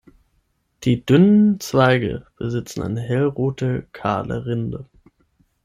Die dünnen Zweige besitzen eine hellrote, kahle Rinde.